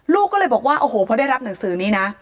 ลูกก็เลยบอกว่าโอ้โหพอได้รับหนังสือนี้นะ